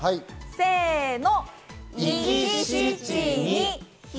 せの！